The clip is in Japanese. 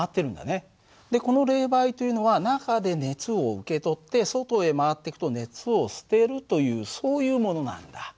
この冷媒というのは中で熱を受け取って外へ回っていくと熱を捨てるというそういうものなんだ。